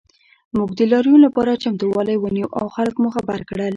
موږ د لاریون لپاره چمتووالی ونیو او خلک مو خبر کړل